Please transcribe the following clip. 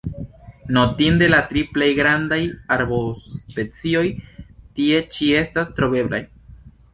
Notinde, la tri plej grandaj arbospecioj tie ĉi estas troveblaj.